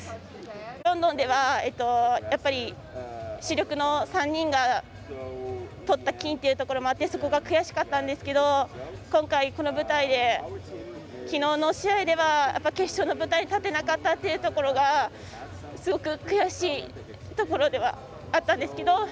ロンドンでは、主力の３人がとった金というところもあってそこが悔しかったんですけど今回、この舞台できのうの試合では決勝の舞台に立てなかったというところがすごく悔しいところではあったんですけど。